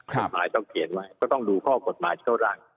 กฎหมายต้องเขียนไว้ก็ต้องดูข้อกฎหมายเข้าร่าง